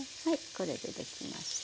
これでできました。